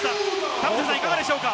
田臥さん、いかがでしょうか？